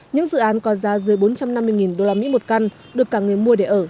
những dự án có giá dưới bốn trăm năm mươi usd một căn được cả người mua để ở